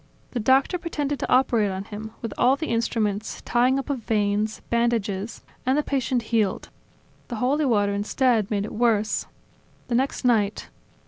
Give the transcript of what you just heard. The doctor pretended to operate on him, with all of the instruments, tying up of veins, bandages ... and the patient healed." "The holy water, instead, made it worse. The next night